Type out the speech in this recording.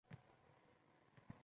Chetdagi kursiga omonat cho‘kdi.